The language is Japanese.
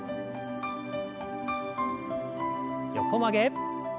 横曲げ。